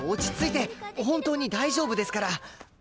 本当に大丈夫ですから。